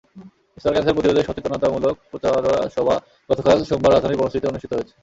স্তন ক্যানসার প্রতিরোধে সচেতনতামূলক প্রচারণা সভা গতকাল সোমবার রাজধানীর বনশ্রীতে অনুষ্ঠিত হয়েছে।